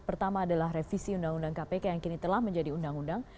pertama adalah revisi undang undang kpk yang kini telah menjadi undang undang